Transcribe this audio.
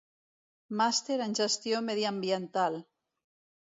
Màster en Gestió Mediambiental.